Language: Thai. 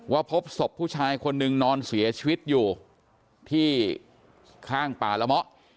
พบศพผู้ชายคนนึงนอนเสียชีวิตอยู่ที่ข้างป่าละเมาะ